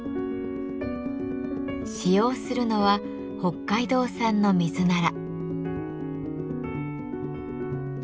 使用するのは北海道産のミズナラ。